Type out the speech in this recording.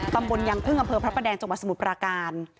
ตำบลยังพึ่งอำเภอพระประแดงจังหวัดสมุทรปราการ